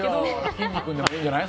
きんに君でいいんじゃない？